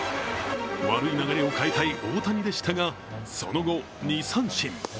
悪い流れを変えたい大谷でしたがその後、２三振。